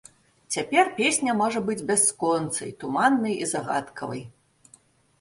Цяпер песня можа быць бясконцай, туманнай і загадкавай.